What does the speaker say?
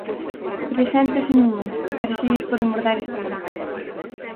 Preséntase nun mes, pero xa lles podemos dar este adianto.